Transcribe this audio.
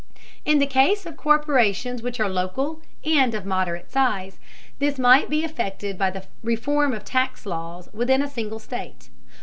In the case of corporations which are local and of moderate size, this might be effected by the reform of tax laws within a single state.